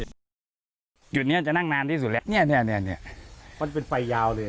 จุดนี้จะนั่งนานที่สุดแล้วเนี่ยมันเป็นไฟยาวเลย